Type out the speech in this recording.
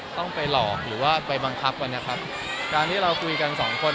ต้องไปหลอกหรือว่าไปบังคับกันนะครับการที่เราคุยกันสองคน